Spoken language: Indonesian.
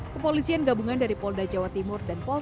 kepolisian gabungan dari polda jawa timur dan polri